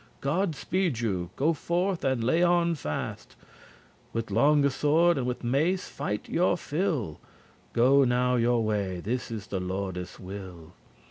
God speede you; go forth and lay on fast. With long sword and with mace fight your fill. Go now your way; this is the lordes will.